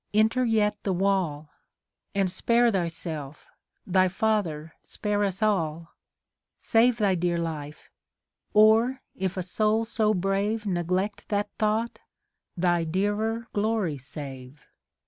enter yet the wall ; And spare thyself, thy father, spare us all ! Save thy clear life ; or, if a soul so brave Neglect that thought, thy clearer glory save.